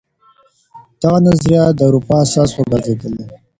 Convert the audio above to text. دغه نظريات د اروپا اساس وګرځېدل.